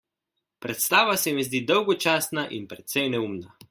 Predstava se mi zdi dolgočasna in precej neumna.